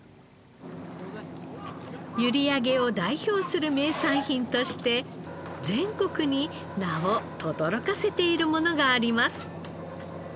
閖上を代表する名産品として全国に名をとどろかせているものがあります。